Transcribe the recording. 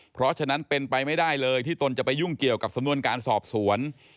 เพราะฉะนั้นเป็นไปไม่ได้เลยที่ตนจะไปยุ่งเกี่ยวกับสำนวนการสอบสวน